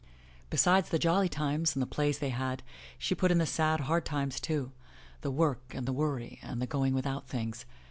Besides the jolly times and the plays they had, she put in the sad, hard times too, the work and the worry and the going without things.